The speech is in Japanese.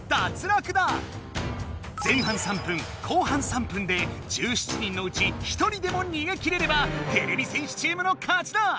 前半３分後半３分で１７人のうち１人でもにげきれればてれび戦士チームの勝ちだ。